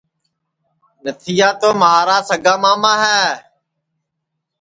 نتھیا تو مھارا سگا ماما ہے